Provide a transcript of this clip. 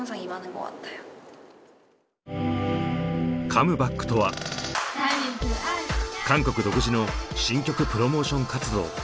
「カムバック」とは韓国独自の新曲プロモーション活動。